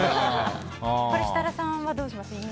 これ、設楽さんはどうします？